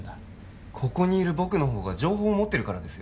ここにいる僕の方が情報持ってるからです